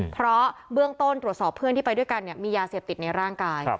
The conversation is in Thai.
เพราะเบื้องต้นตรวจสอบเพื่อนที่ไปด้วยกันมียาเสพติดในร่างกาย